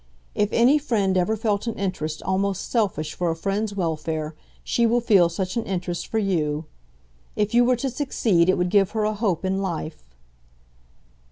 If any friend ever felt an interest almost selfish for a friend's welfare, she will feel such an interest for you. If you were to succeed it would give her a hope in life."